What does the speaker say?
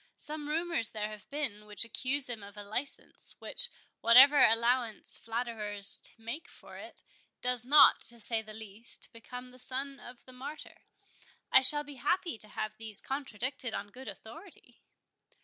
Some rumours there have been which accuse him of a license, which, whatever allowance flatterers make for it, does not, to say the least, become the son of the Martyr—I shall be happy to have these contradicted on good authority."